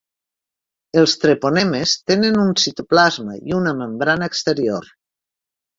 Els treponemes tenen un citoplasma i una membrana exterior.